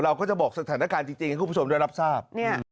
เราก็จะบอกสถานการณ์จริงให้คุณผู้ชมได้รับทราบ